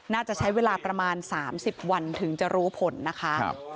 น่าจะใช้เวลาประมาณ๓๐วันถึงจะรู้ผลนะคะ